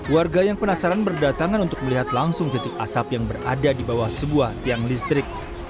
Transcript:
warga yang penasaran berdatangan untuk melihat langsung jentik asap yang berada di bawah sebuah tiang listrik